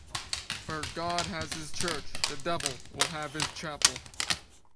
Where God has his church, the devil will have his chapel.